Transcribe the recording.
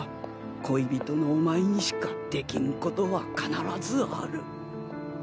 恋人のお前にしかできんことは必ずある。